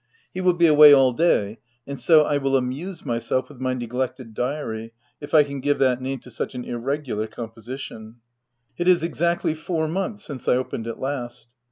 He will be away all day ; and so I will amuse myself with my neg lected diary — if I can give that name to such an irregular composition. It is exactly four months since I opened it last.